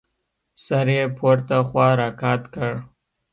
سر يې پورته خوا راقات کړ.